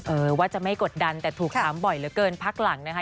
เออว่าจะไม่กดดันแต่ถูกถามบ่อยเหลือเกินพักหลังนะคะ